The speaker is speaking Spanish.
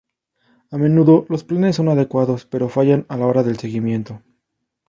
A menudo los planes son adecuados, pero fallan a la hora del seguimiento.